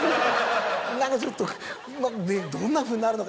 何かちょっとどんなふうになるのかなって。